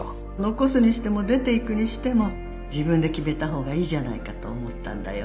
「残すにしても出ていくにしても自分で決めたほうがいいじゃないかと思ったんだよ」。